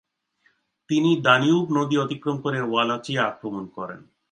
তিনি দানিউব নদী অতিক্রম করে ওয়ালাচিয়া আক্রমণ করেন।